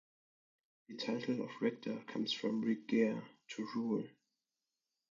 The title of rector comes from "regere"-"to rule".